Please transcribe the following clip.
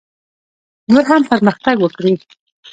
نور هم پرمختګ وکړي.